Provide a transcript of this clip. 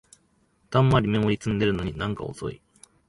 たんまりメモリ積んでるのになんか遅い